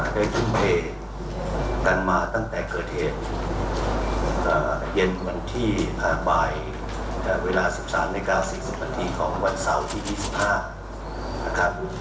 ทุ่มเทกันมาตั้งแต่เกิดเหตุเย็นวันที่ผ่านบ่ายเวลา๑๓นาฬิกา๔๐นาทีของวันเสาร์ที่๒๕นะครับ